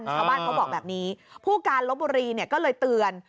ชาวบ้านเขาบอกแบบนี้ผู้การลบบุรีเนี่ยก็เลยเตือน